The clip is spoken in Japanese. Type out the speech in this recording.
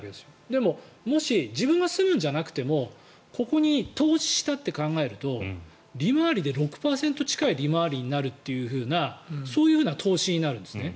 でも、もし自分が住むんじゃなくてもここに投資したって考えると利回りで６％近い利回りになるっていうふうなそういう投資になるんですね。